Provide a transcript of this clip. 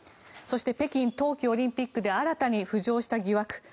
そして北京冬季オリンピックで新たに浮上した疑惑。